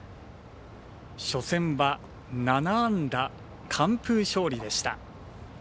初戦は７安打、完封勝利でした。